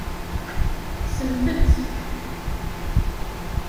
Kksemt-tt.